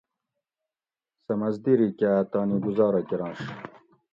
سہ مزدیری کاۤ تانی گزارہ کرۤنش